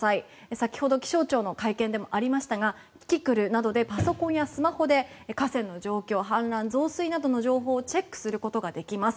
先ほど気象庁の会見でもありましたがキキクルなどでパソコンやスマホで河川の状況氾濫、増水などの情報をチェックすることができます。